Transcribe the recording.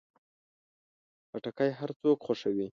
خټکی هر څوک خوښوي.